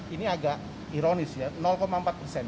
ini agak ironis ya empat persen